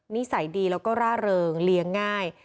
นิสัยดีแล้วก็ร่าเริงเลี้ยงง่าย